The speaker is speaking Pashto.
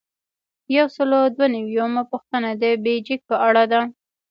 یو سل او دوه نوي یمه پوښتنه د بیجک په اړه ده.